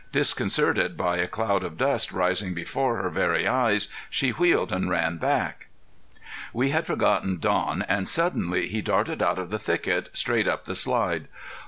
Disconcerted by a cloud of dust rising before her very eyes she wheeled and ran back. We had forgotten Don and suddenly he darted out of the thicket, straight up the slide.